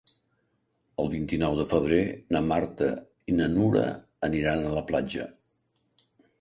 El vint-i-nou de febrer na Marta i na Nura aniran a la platja.